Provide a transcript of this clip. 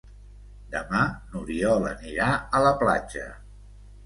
Demà n'Oriol anirà a la platja.